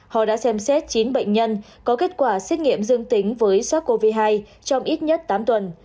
họ đã xem xét chín bệnh nhân có kết quả xét nghiệm dương tính với sars cov hai trong ít nhất tám tuần